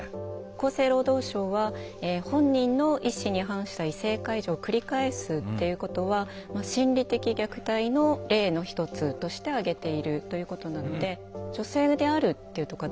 厚生労働省は本人の意思に反した異性介助を繰り返すっていうことは心理的虐待の例の一つとして挙げているということなので。